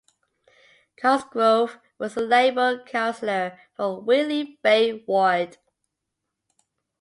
Cosgrove was the Labour councillor for Whitley Bay Ward.